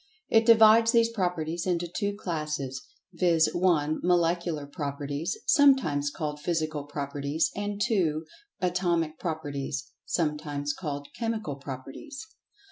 It divides these properties into two classes, viz.: (1) Molecular Properties (sometimes called Physical Properties); and (2) Atomic Properties (sometimes called Chemical Properties).